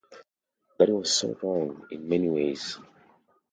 That was so wrong in many ways.